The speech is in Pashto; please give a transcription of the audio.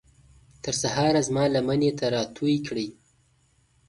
تر سهاره زما لمنې ته راتوی کړئ